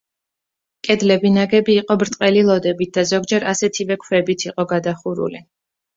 კედლები ნაგები იყო ბრტყელი ლოდებით და ზოგჯერ ასეთივე ქვებით იყო გადახურული.